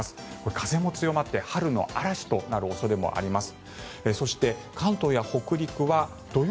風も強まって春の嵐となる恐れもあります。